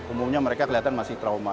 umumnya mereka kelihatan masih trauma